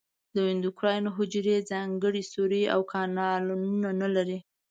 د اندوکراین حجرې ځانګړي سوري او کانالونه نه لري.